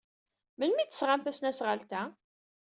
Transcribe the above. Melmi ay d-tesɣam tasnasɣalt-a?